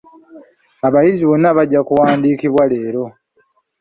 Abayizi bonna bajja kuwandiikibwa leero.